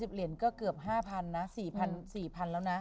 เหรียญก็เกือบ๕๐๐นะ๔๐๐๔๐๐แล้วนะ